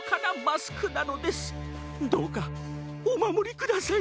どうかおまもりください！